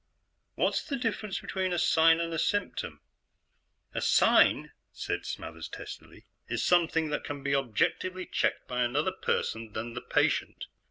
"What's the difference between a sign and a symptom?" "A sign," said Smathers testily, "is something that can be objectively checked by another person than the patient.